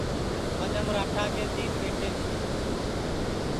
پدم راٹا کے تین ٻیٹے تیے